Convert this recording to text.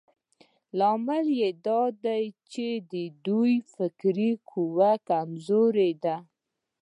لامل يې دا دی چې د دوی فکري قوه کمزورې ده.